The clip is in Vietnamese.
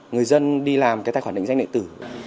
người dân đi làm cái tài khoản định danh điện tử